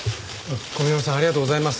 小宮山さんありがとうございます。